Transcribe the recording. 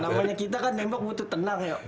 namanya kita kan nembak butuh tenang ya